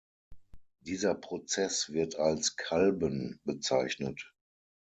Dieser Prozess wird als Kalben bezeichnet.